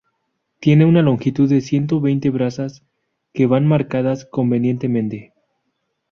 Tiene una longitud de ciento veinte brazas que van marcadas convenientemente.